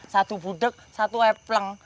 satu budeg satu epleng